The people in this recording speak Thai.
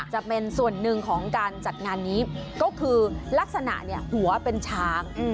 จะเป็นส่วนหนึ่งของการจัดงานนี้ก็คือลักษณะหัวเป็นช้าง